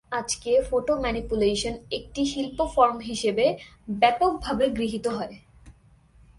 আজকে, photo manipulation একটি শিল্প ফর্ম হিসাবে ব্যাপকভাবে গৃহীত হয়।